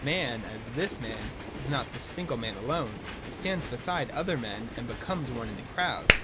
Man, as this man, is not this single man alone : he stands beside other men and becomes one in the crowd.